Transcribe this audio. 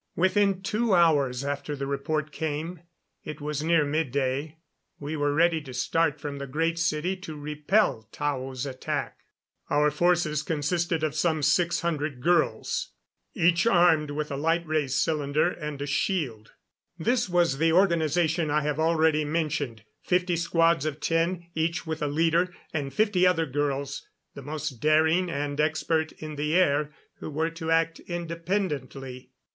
Within two hours after the report came it was near midday we were ready to start from the Great City to repel Tao's attack. Our forces consisted of some six hundred girls, each armed with a light ray cylinder and a shield. This was the organization I have already mentioned, fifty squads of ten, each with a leader; and fifty other girls, the most daring and expert in the air, who were to act independently.